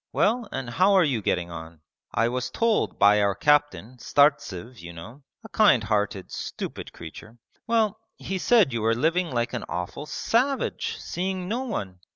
Well, and how are you getting on? I was told by our captain, Startsev you know, a kind hearted stupid creature.... Well, he said you were living like an awful savage, seeing no one!